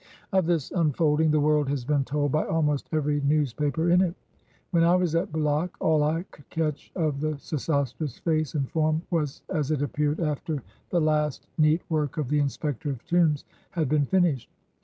Of this unfolding the world has been told by almost every newspaper in it. When I was at Bulaq, all I could catch of the Sesostris face and form was as it appeared after 173 EGITT the last neat work of the Inspector of Tombs had been finished.